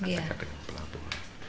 dekat dengan pelabuhan